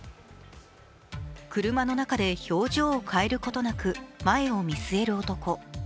車の中で表情を変えることなく、前を見据える男。